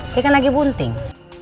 kayaknya lagi bunting